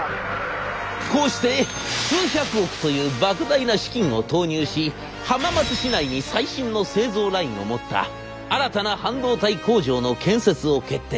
こうして数百億というばく大な資金を投入し浜松市内に最新の製造ラインを持った新たな半導体工場の建設を決定。